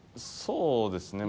そうですね。